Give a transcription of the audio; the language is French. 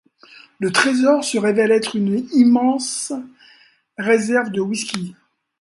Le trésor se révèle être une immense réserve de whisky.